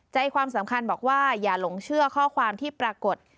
ใจความสำคัญบอกว่าอย่าหลงเชื่อข้อความที่ปรากฏ